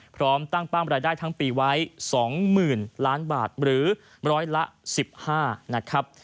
พร้อมตั้งปั้มรายได้ทั้งปีไว้๒๐๐๐ล้านบาทหรือร้อยละ๑๕นะครับ